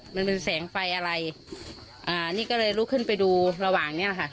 มันเป็นแสงไฟอะไรอ่านี่ก็เลยลุกขึ้นไปดูระหว่างเนี้ยแหละค่ะ